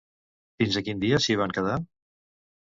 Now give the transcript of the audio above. Fins a quin dia s'hi van quedar?